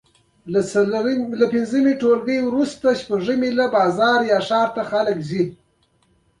کله چې افغانستان کې ولسواکي وي ډاکټران خدمت کوي.